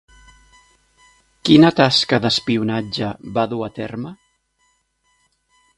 Quina tasca d'espionatge va dur a terme?